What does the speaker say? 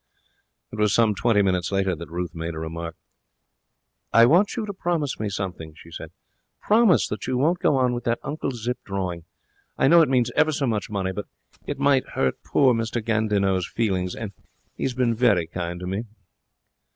It was some twenty minutes later that Ruth made a remark. 'I want you to promise me something,' she said. 'Promise that you won't go on with that Uncle Zip drawing. I know it means ever so much money, but it might hurt poor M. Gandinot's feelings, and he has been very kind to me.'